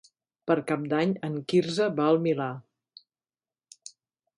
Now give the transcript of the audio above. Per Cap d'Any en Quirze va al Milà.